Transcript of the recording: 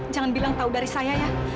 jangan bilang tahu dari saya ya